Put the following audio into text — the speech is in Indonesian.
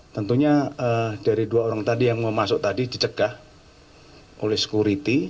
tentunya dari dua orang tadi yang mau masuk tadi dicegah oleh security